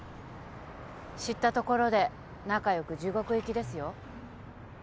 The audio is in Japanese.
知ったところで仲良く地獄行きですよ